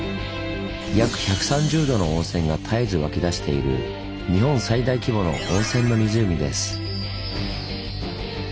約１３０℃の温泉が絶えず湧き出している日本最大規模の温泉の湖です。